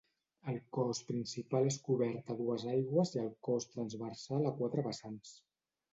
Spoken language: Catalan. El cos principal és cobert a dues aigües i el cos transversal a quatre vessants.